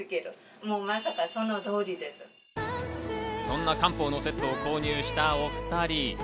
そんな漢方のセットを購入したお２人。